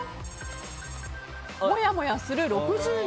もやもやするが６７％。